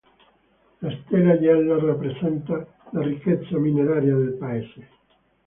La stella gialla rappresenta la ricchezza mineraria del paese.